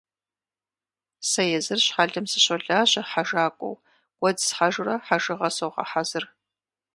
Сэ езыр щхьэлым сыщолажьэ хьэжакӏуэу, гуэдз схьэжурэ хэжыгъэ согъэхьэзыр.